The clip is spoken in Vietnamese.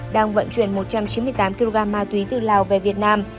đang vận chuyển một trăm chín mươi tám kg ma túy từ lào về việt nam